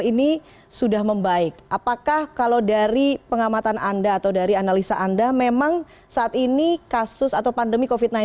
ini sudah membaik apakah kalau dari pengamatan anda atau dari analisa anda memang saat ini kasus atau pandemi covid sembilan belas